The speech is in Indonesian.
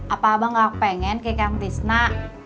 apa abang gak pengen ke kang cisna